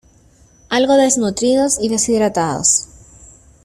algo desnutridos y deshidratados,